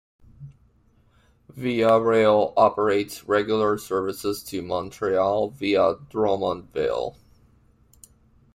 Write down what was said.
Via Rail operates regular services to Montreal via Drummondville.